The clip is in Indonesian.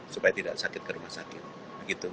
supaya tidak sakit ke rumah sakit